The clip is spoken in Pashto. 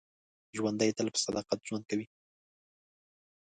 ژوندي تل په صداقت ژوند کوي